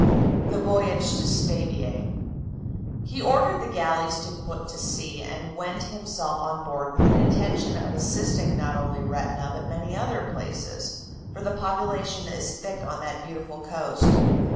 THE VOYAGE TO STABIAE "He ordered the galleys to put to sea, and went himself on board with an intention of assisting not only Retina but many other places, for the population is thick on that beautiful coast.